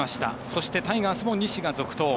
そして、タイガースも西が続投。